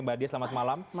mbak diah selamat malam